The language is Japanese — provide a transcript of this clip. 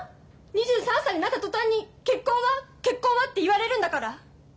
２３歳になった途端に「結婚は？結婚は？」って言われるんだから。